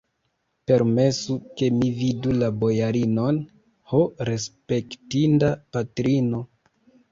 Permesu, ke mi vidu la bojarinon, ho, respektinda patrino!